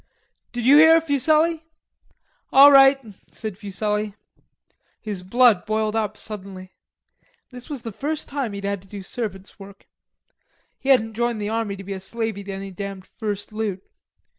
"Did you hear, Fuselli?" "All right," said Fuselli. His blood boiled up suddenly. This was the first time he'd had to do servants' work. He hadn't joined the army to be a slavey to any damned first loot.